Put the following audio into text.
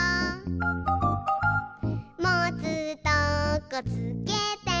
「もつとこつけて」